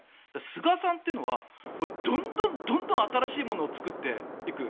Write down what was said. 菅さんというのはどんどんどんどん新しいものを作っていく。